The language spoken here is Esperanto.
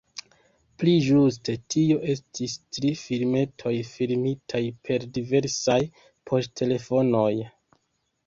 Pli ĝuste tio estis tri filmetoj, filmitaj per diversaj poŝtelefonoj.